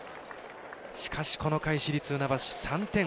しかし、この回、市立船橋３点。